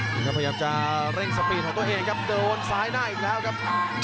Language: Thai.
พยายามจะเร่งสปีนของตัวเองครับเดินสายหน้าอีกแล้วครับ